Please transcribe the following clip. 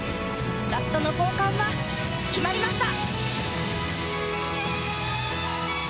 ラストの交換は決まりました。